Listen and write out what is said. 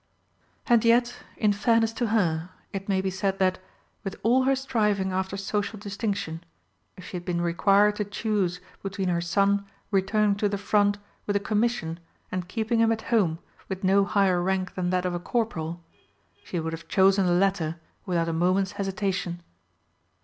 And yet, in fairness to her, it may be said that, with all her striving after social distinction, if she had been required to choose between her son returning to the front with a commission and keeping him at home with no higher rank than that of a corporal, she would have chosen the latter without a moment's hesitation.